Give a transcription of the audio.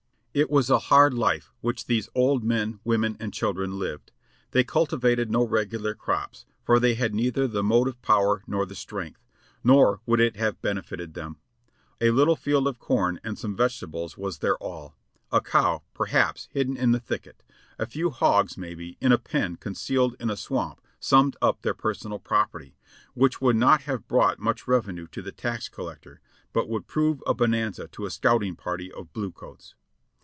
It was a hard life which these old men, women and children lived. They cultivated no regular crops, for they had neither the motive power nor the strength ; nor would it have benefited them. A little field of corn and some vegetables was their all ; a cow, perhaps, hidden in the thicket ; a few hogs, maybe, in a pen concealed in a swamp summed up their personal property, which would not have brought much revenue to the tax collector, but would prove a bonanza to a scouting party of blue coats.